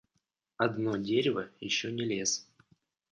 Одно дерево еще не лес.